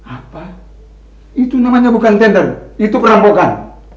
apa itu namanya bukan tender itu perampokan